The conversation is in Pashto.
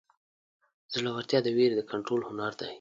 زړهورتیا د وېرې د کنټرول هنر دی.